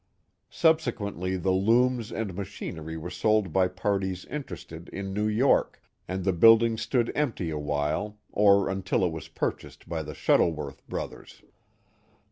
Subsequently the looms and machin ery were sold by parties interested in New York, and the building stood empty awhile, or until it was purchased by the Shuttleworth Brothers.